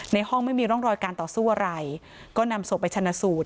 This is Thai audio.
ในห้องไม่มีร่องรอยการต่อสู้อะไรก็นำศพไปชนะสูตร